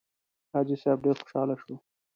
حاجي صیب ډېر خوشاله شو.